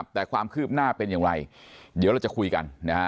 แต่ความคืบหน้าเป็นอย่างไรเดี๋ยวเราจะคุยกัน